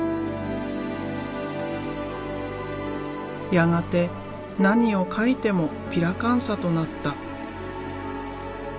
やがて何を描いてもピラカンサとなった。